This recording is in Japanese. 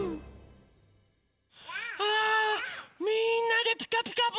あみんなで「ピカピカブ！」